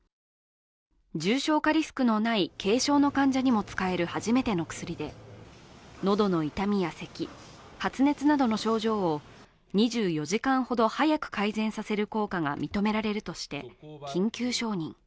重症化リスクのない軽症の患者にも使える初めての薬で喉の痛みやせき、発熱などの症状を２４時間ほど早く改善させる効果が認められるとして緊急承認。